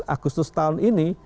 tujuh belas agustus tahun ini